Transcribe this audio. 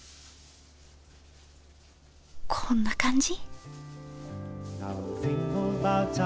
こんな感じ？